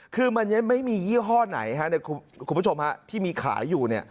คือมันยังไม่มียี่ห้อไหนที่มีขายอยู่